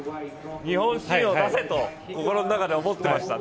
日本新を出せと心の中で思ってました。